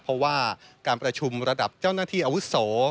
เพราะว่าการประชุมระดับเจ้าหน้าที่อาวุโส